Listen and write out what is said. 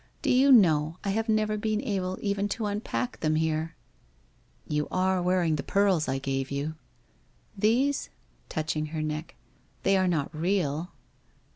' Do you know I have never been able even to unpack them here ?'' You are wearing the pearls I gave you.' ' These? ' touching her neck. ' They are not real?